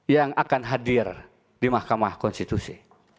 yang akan hadir di mahkamah konstitusi